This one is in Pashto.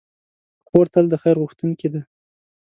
خور تل د خیر غوښتونکې ده.